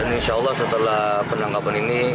insya allah setelah penangkapan ini